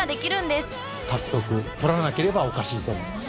とらなければおかしいと思います。